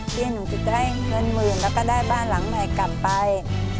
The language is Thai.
ที่หนูถึงจะได้เงินหมื่นแล้วก็ได้บ้านหลังใหม่กลับไป